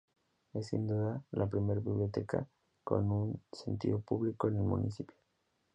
Es sin duda la primera biblioteca con un sentido público en el municipio.